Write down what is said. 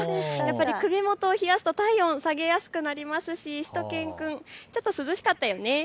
やっぱり首元を冷やすと体温下げやすくなりますししゅと犬くん、ちょっと涼しかったよね。